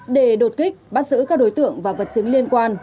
để đột kích bắt giữ các đối tượng và vật chứng liên quan